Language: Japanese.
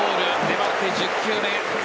粘って１０球目。